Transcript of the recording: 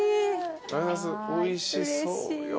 おいしそうよ。